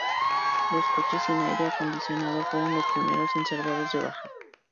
Los coches sin aire acondicionado fueron los primeros en ser dados de baja.